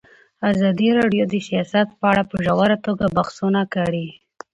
ازادي راډیو د سیاست په اړه په ژوره توګه بحثونه کړي.